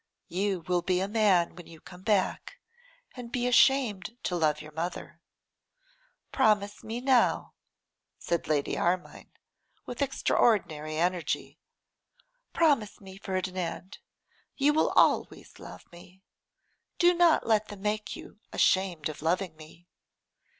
You will be a man when you come back, and be ashamed to love your mother. Promise me now,' said Lady Armine, with extraordinary energy, 'promise me, Ferdinand, you will always love me. Do not let them make you ashamed of loving me.